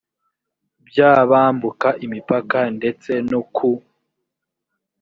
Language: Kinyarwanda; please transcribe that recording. by abambuka imipaka ndetse no ku